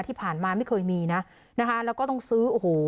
ที่ผ่านมาไม่เคยมีนะนะคะแล้วก็ต้องซื้อโอ้โห